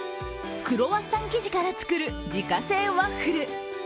クロワッサン生地から作る自家製ワッフル。